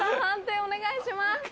判定お願いします。